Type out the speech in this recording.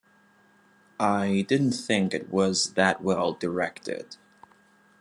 I didn't think it was that well directed.